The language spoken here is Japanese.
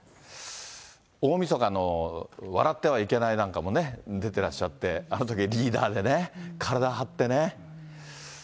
大みそかの笑ってはいけないなんかもね、出てらっしゃって、あのとき、リーダーでね、体張ってね。